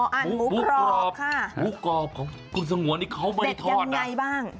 อ๋อหมูกรอบค่ะหมูกรอบของคุณสงวนเขาไม่ทอดเป็นยังไงบ้าง